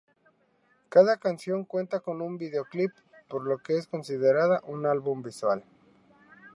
Cada canción cuenta con un videoclip, por lo que se considera un "álbum visual".